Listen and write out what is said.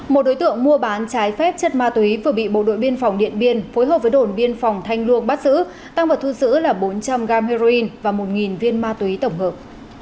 một đối tượng mua bán trái phép chất ma túy vừa bị bộ đội biên phòng điện biên phối hợp với đồn biên phòng thanh luông bắt giữ tăng vật thu giữ là bốn trăm linh g heroin và một viên ma túy tổng hợp